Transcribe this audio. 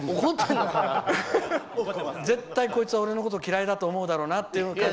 絶対こいつ、俺のこと嫌いだと思うだろうなっていう。